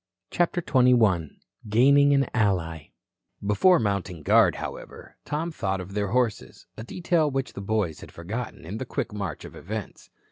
CHAPTER XXI GAINING AN ALLY Before mounting guard, however, Tom thought of their horses, a detail which the boys had forgotten in the quick march of events.